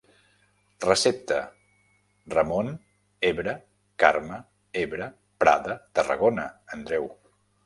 Recepta: Ramon, Ebre, Carme, Ebre, Prada, Tarragona, Andreu.